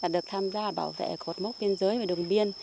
được tham gia bảo vệ cột mốc biên giới và đường biên